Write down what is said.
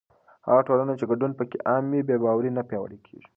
هغه ټولنه چې ګډون پکې عام وي، بې باوري نه پیاوړې کېږي.